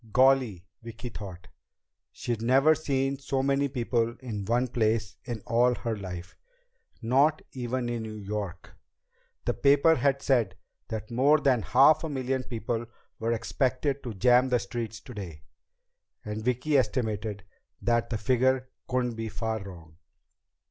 Golly, Vicki thought, she'd never seen so many people in one place in all her life! Not even in New York. The paper had said that more than half a million people were expected to jam the streets today, and Vicki estimated that the figure couldn't be far wrong.